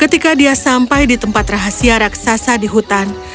ketika dia sampai di tempat rahasia raksasa di hutan